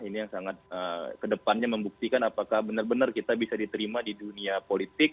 ini yang sangat kedepannya membuktikan apakah benar benar kita bisa diterima di dunia politik